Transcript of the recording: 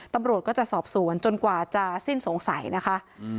ตำรวจก็จะสอบสวนจนกว่าจะสิ้นสงสัยนะคะ